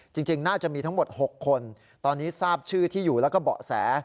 จริงน่าจะมีทั้งหมด๖คนตอนนี้ทราบชื่อที่อยู่แล้วก็เบาะแส